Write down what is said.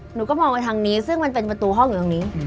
หนูก็มองไปทางนี้ซึ่งมันเป็นประตูห้องอยู่ตรงนี้